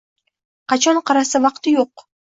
Qachon qarasa vaqti yo'q!